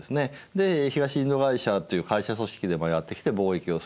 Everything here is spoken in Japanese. で東インド会社という会社組織でもやって来て貿易をすると。